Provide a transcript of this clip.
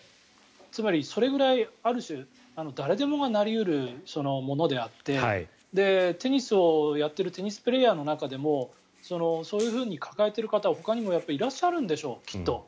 つまり、それくらい、ある種誰でもがなり得るものであってテニスをやっているテニスプレーヤーの中でもそういうふうに抱えている方はほかにもきっといらっしゃるんでしょう。